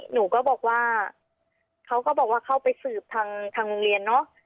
หนูก็บอกว่าเขาไปสืบทางโรงเรียนเนาะ